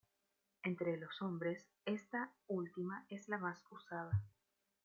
Entre los hombres, esta última es la más usada.